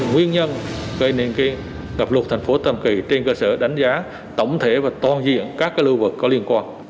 nguyên nhân gây nền kiện ngập lụt thành phố tâm kỳ trên cơ sở đánh giá tổng thể và toàn diện các lưu vực có liên quan